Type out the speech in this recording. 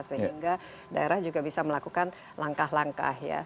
sehingga daerah juga bisa melakukan langkah langkah ya